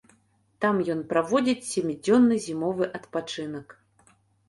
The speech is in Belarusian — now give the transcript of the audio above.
Там ён праводзіць сямідзённы зімовы адпачынак.